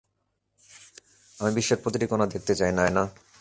আমি বিশ্বের প্রতিটি কোণা দেখতে চাই, নায়না।